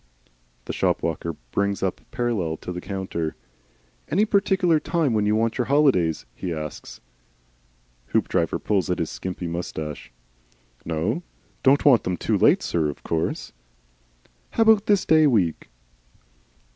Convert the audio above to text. The shop walker brings up parallel to the counter. "Any particular time when you want your holidays?" he asks. Hoopdriver pulls at his skimpy moustache. "No Don't want them too late, sir, of course." "How about this day week?"